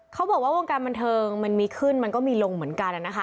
เขาบอกว่าวงการบันเทิงมันมีขึ้นมันก็มีลงเหมือนกันนะคะ